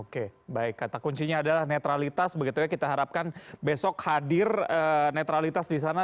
oke baik kata kuncinya adalah netralitas begitu ya kita harapkan besok hadir netralitas di sana